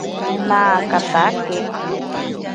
Naakatake.